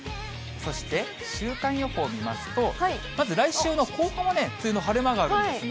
そして週間予報見ますと、まず来週の後半は梅雨の晴れ間があるんですが。